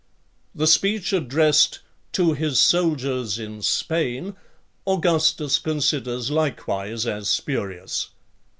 The speech addressed "To his soldiers in Spain," Augustus considers likewise as spurious.